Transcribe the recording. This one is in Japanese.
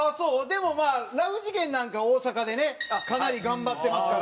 でもまあラフ次元なんか大阪でねかなり頑張ってますから。